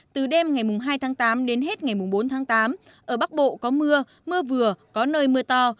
từ đêm ngày hai tháng tám đến hết ngày bốn tháng tám ở bắc bộ có mưa mưa vừa có nơi mưa to